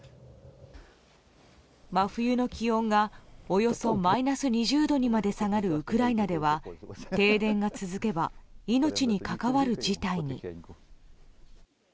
真冬の気温がおよそマイナス２０度にまで下がるウクライナでは停電が続けば命に関わる事態に。